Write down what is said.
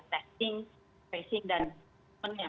testing tracing dan penuhnya